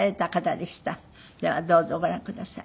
ではどうぞご覧ください。